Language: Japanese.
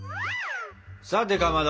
さてかまど。